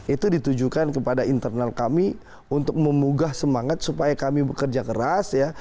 itu ditujukan kepada internal kami untuk memugah semangat supaya kami bekerja keras ya